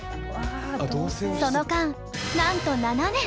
その間なんと７年！